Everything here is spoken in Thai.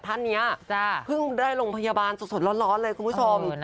ท่านนี้เพิ่งได้โรงพยาบาลสดร้อนเลยคุณผู้ชม